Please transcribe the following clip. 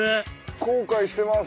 後悔してます。